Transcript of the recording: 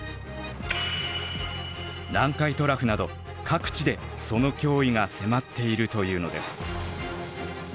南海トラフなど各地でその脅威が迫っているというのです。